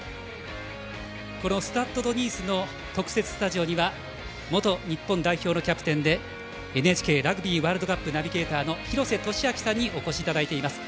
このスタッド・ド・ニースの特設スタジオには元日本代表のキャプテンでＮＨＫラグビーワールドカップナビゲーターの廣瀬俊朗さんにお越しいただいています。